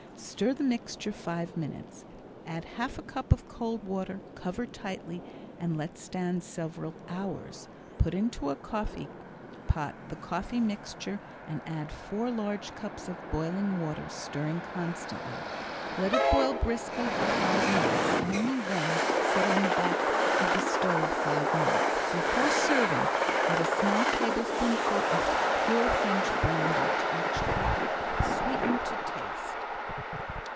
Stir the mixture five minutes. Add half a cup of cold water, cover tightly and let stand several hours. Put into a coffeepot the coffee mixture and add four large cups of boiling water, stirring constantly. Let it boil briskly for five minutes only then set on the back of the stove five minutes. Before serving add a small tablespoonful of pure French brandy to each cup. Sweeten to taste.